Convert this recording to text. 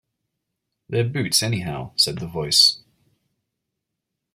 "They're boots, anyhow," said the Voice.